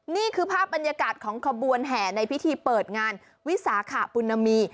นี่คือภาพบรรยากาศของขบวนแห่ในพิธีเปิดงานวิสาขปุณมี